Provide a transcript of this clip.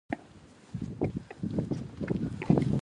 Little else is known of his life.